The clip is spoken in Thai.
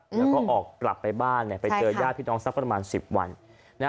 แล้วก็ออกไปเจอย่างพี่น้องสักประมาณ๑๐วัน